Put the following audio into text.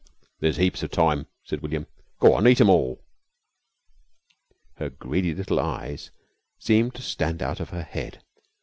"There's heaps of time," said William. "Go on! Eat them all!" Her greedy little eyes seemed to stand out of her head.